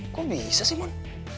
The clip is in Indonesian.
kok bisa sih mon